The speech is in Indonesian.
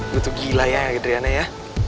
lo tuh gila ya adriana ya